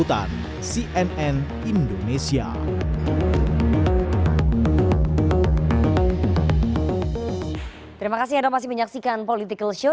terima kasih anda masih menyaksikan political show